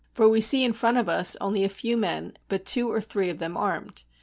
For we see, in front of us, only a few men, and but two or three of them armed.